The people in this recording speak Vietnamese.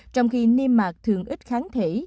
trong khi niềm mạc thường ít kháng thể